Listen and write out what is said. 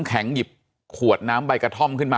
อ่าใช่ค่ะ